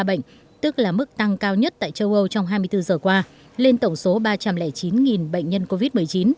bệnh tức là mức tăng cao nhất tại châu âu trong hai mươi bốn giờ qua lên tổng số ba trăm linh chín bệnh nhân covid một mươi chín